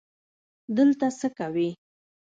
دلته څه کوې؟